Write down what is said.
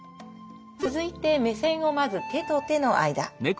続いて目線をまず手と手の間。